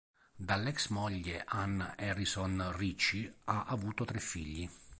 Dalla ex moglie Ann Harrison Richie ha avuto tre figli.